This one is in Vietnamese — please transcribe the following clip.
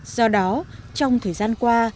do đó trong thời gian qua